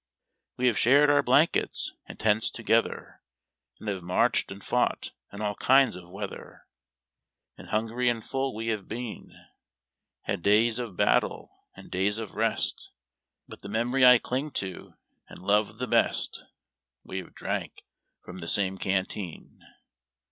We have shared our blanlvets and tents togetlier, And liave marched and fought in all kinds of weather, And hungry and full we liave been ; Had days of battle and days of rest; But this memory I cling to, and love the best — We have drank from the same canteen.